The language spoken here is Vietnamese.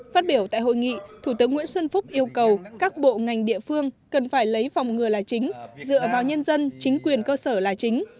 phát biểu tại hội nghị thủ tướng nguyễn xuân phúc yêu cầu các bộ ngành địa phương cần phải lấy phòng ngừa là chính dựa vào nhân dân chính quyền cơ sở là chính